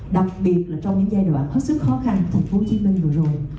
đặc biệt là trong những giai đoạn hết sức khó khăn của tp hcm vừa rồi